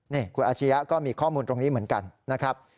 นี่คุณอาชียะก็มีข้อมูลตรงนี้เหมือนกันนะครับ